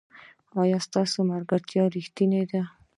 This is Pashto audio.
ایا ستاسو ملګرتیا ریښتینې ده؟